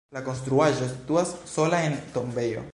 La konstruaĵo situas sola en tombejo.